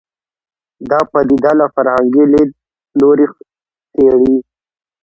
دا پدیده له فرهنګي لید لوري څېړي